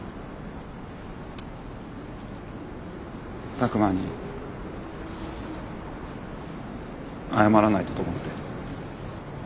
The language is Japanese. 拓真に謝らないとと思って。